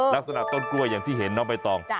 ลักษณะต้นกล้วยอย่างที่เห็นนะไปต่อ